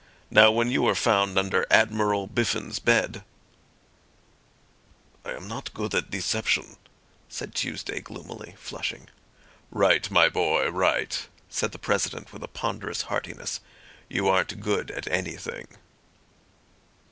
Now when you were found under Admiral Biffin's bed—" "I am not good at deception," said Tuesday gloomily, flushing. "Right, my boy, right," said the President with a ponderous heartiness, "you aren't good at anything."